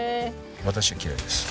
私は嫌いです。